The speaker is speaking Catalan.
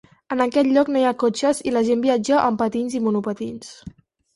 En aquest lloc no hi ha cotxes i la gent viatja en patins i monopatins.